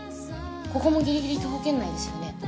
ここもギリギリ徒歩圏内ですよね？